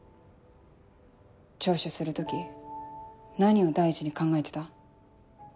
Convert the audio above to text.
聴取する時何を第一に考えてた？